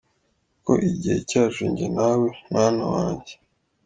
Kuko igihe cyacu njye nawe mwana wanjye.